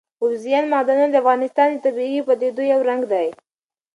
اوبزین معدنونه د افغانستان د طبیعي پدیدو یو رنګ دی.